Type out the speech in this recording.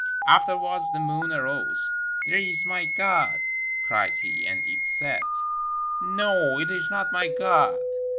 Afterwards themoonarose: "There is my God," cried he. And it set. "No, it is not my God."